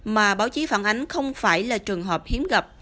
mà báo chí phản ánh không phải là trường hợp hiếm gặp